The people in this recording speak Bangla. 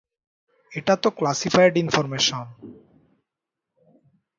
এটা তো ক্লাসিফায়েড ইনফরমেশন!